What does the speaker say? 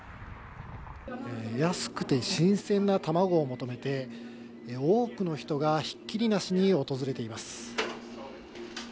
安くて新鮮な卵を求めて、多くの人がひっきりなしに訪れています。